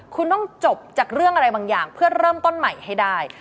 คุณต้องจบจากเรื่องอะไรบางอย่างเพื่อเริ่มต้นใหม่ให้ได้